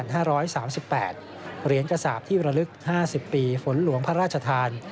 เหรียญกระสาปที่ระลึก๕๐ปีฝนหลวงพระราชทาน